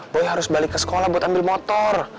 gue harus balik ke sekolah buat ambil motor